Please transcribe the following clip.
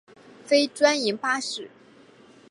非专营巴士。